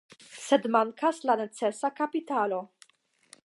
Sed mankas la necesa kapitalo.